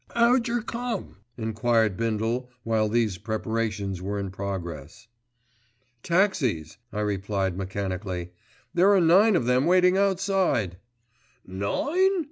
"Ow jer come?" enquired Bindle while these preparations were in progress. "Taxis," I replied mechanically, "There are nine of them waiting outside." "Nine?"